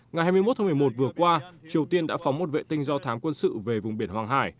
ngày hai mươi một tháng một mươi một vừa qua triều tiên đã phóng một vệ tinh do thám quân sự về vùng biển hoàng hải